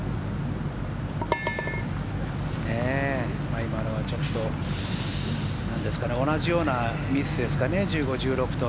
今のはちょっと同じようなミスですね、１５、１６と。